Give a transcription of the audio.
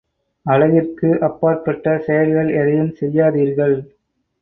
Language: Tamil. அழகிற்கு அப்பாற்பட்ட செயல்கள் எதையும் செய்யாதீர்கள்.